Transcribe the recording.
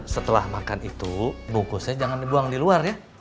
setelah makan itu bungkusnya jangan dibuang di luar ya